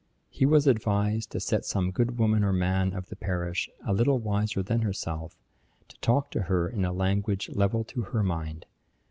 He was advised to set some good woman or man of the parish, a little wiser than herself, to talk to her in a language level to her mind.